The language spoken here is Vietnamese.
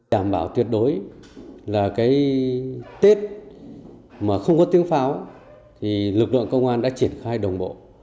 đảm bảo tuyệt đối là cái tết mà không có tiếng pháo thì lực lượng công an đã triển khai đồng bộ